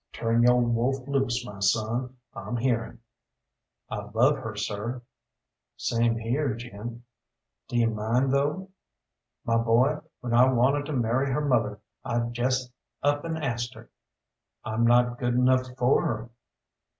"Turn yo' wolf loose, my son, I'm hearing." "I love her, sir." "Same here, Jim." "Do you mind, though?" "My boy, when I wanted to marry her mother, I jest up an' asked her." "I'm not good enough for her."